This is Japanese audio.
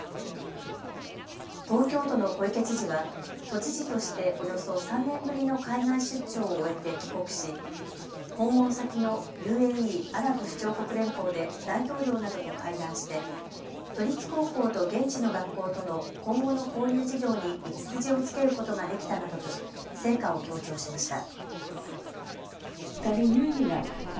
東京都の小池知事は都知事としておよそ３年ぶりの海外出張を終えて帰国し訪問先のＵＡＥ・アラブ首長国連邦で大統領などと会談して都立高校と現地の学校との今後の交流事業に道筋をつけることができたなどとして成果を強調しました。